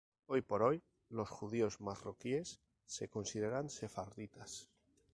Hoy por hoy los judíos marroquíes se consideran sefarditas.